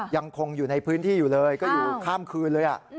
ยังคงอยู่ในพื้นที่อยู่เลยก็อยู่ข้ามคืนเลย